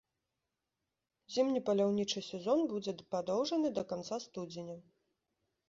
Зімні паляўнічы сезон будзе падоўжаны да канца студзеня.